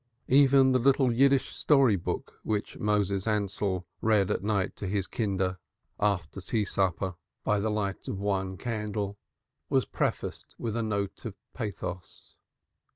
Even the little jargon story book which Moses Ansell read out that night to his Kinder, after tea supper, by the light of the one candle, was prefaced with a note of pathos.